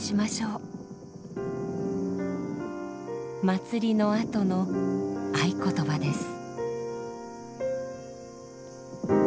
祭りのあとの合言葉です。